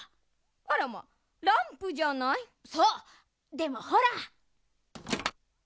でもほら！